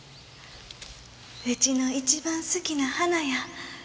うちの一番好きな花や。